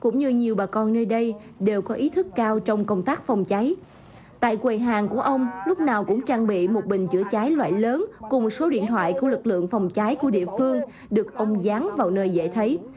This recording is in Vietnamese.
nói nào cũng trang bị một bình chữa cháy loại lớn cùng số điện thoại của lực lượng phòng cháy của địa phương được ôm dán vào nơi dễ thấy